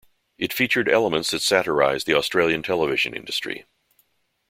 It featured elements that satirised the Australian television industry.